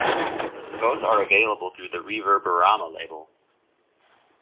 Both are available through the Reverberama label.